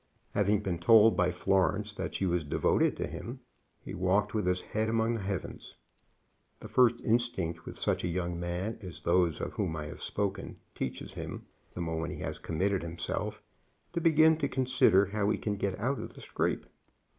Having been told by Florence that she was devoted to him, he walked with his head among the heavens. The first instinct with such a young man as those of whom I have spoken teaches him, the moment he has committed himself, to begin to consider how he can get out of the scrape.